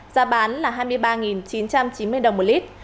giá bán là hai mươi ba chín trăm chín mươi đồng một lít